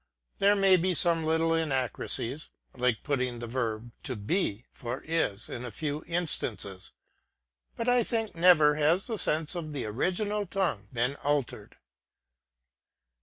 There may be some little inaccuracies, like putting the verb to be, for is, in a few instances, but I think never has the sense of the Original Tongue been altered.